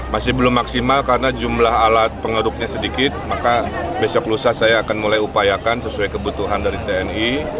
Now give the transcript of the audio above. masih belum maksimal karena jumlah alat pengeruknya sedikit maka besok lusa saya akan mulai upayakan sesuai kebutuhan dari tni